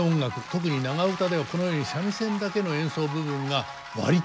特に長唄ではこのように三味線だけの演奏部分が割とありましてですね